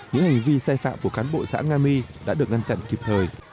những hành vi sai phạm của cán bộ xã nga my đã được ngăn chặn kịp thời